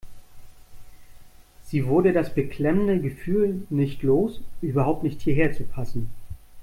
Sie wurde das beklemmende Gefühl nicht los, überhaupt nicht hierher zu passen.